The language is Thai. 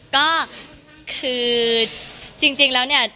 ก็คือจริงแล้วเนี่ย